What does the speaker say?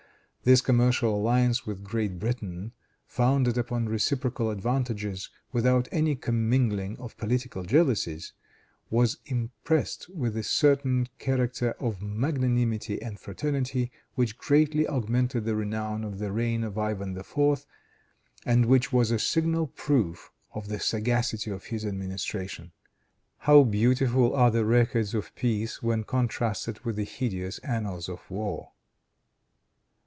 This commercial alliance with Great Britain, founded upon reciprocal advantages, without any commingling of political jealousies, was impressed with a certain character of magnanimity and fraternity which greatly augmented the renown of the reign of Ivan IV., and which was a signal proof of the sagacity of his administration. How beautiful are the records of peace when contrasted with the hideous annals of war!